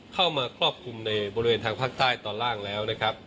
ครอบคลุมในบริเวณทางภาคใต้ตอนล่างแล้วนะครับ